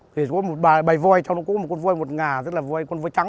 thì có một bài voi trong nó có một con voi một ngà rất là con voi trắng